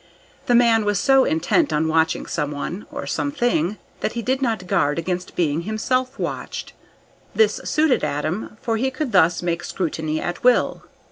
The man was so intent on watching someone, or something, that he did not guard against being himself watched. This suited Adam, for he could thus make scrutiny at will.